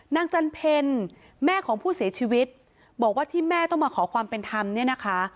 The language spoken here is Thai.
จันเพลแม่ของผู้เสียชีวิตบอกว่าที่แม่ต้องมาขอความเป็นธรรมเนี่ยนะคะ